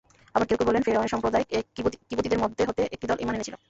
আবার কেউ কেউ বলেন, ফিরআউনের সম্প্রদায় কিবতীদের মধ্য হতে একটি দল ঈমান এনেছিল।